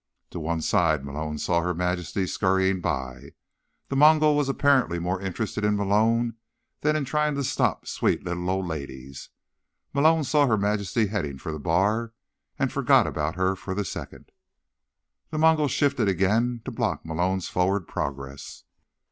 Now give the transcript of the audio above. To one side, Malone saw Her Majesty scurrying by. The Mongol was apparently more interested in Malone than in trying to stop sweet little old ladies. Malone saw Her Majesty heading for the bar, and forgot about her for the second. The Mongol shifted again to block Malone's forward progress.